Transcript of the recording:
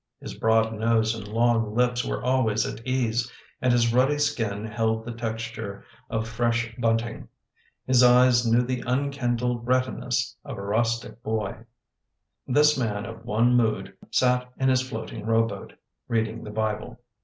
His broad nose and long lips were always at ease and his ruddy skin held the texture of fresh bunting. His eyes knew the un kindled reticence of a rustic boy. This man of one mood sat in his floating row boat, reading the Bible.